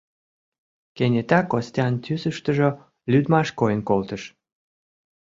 Кенета Костян тӱсыштыжӧ лӱдмаш койын колтыш.